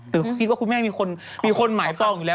หรือคุณแม่มีคนมีคนหมายฟองอยู่แล้ว